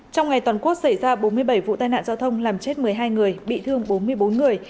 trong ngày toàn quốc xảy ra bốn mươi bảy vụ tai nạn giao thông làm chết một mươi hai người bị thương bốn mươi bốn người